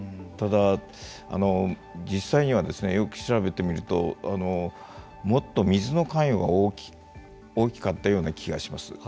ただ、実際にはよく調べてみるともっと水の関与が大きかったような気がします。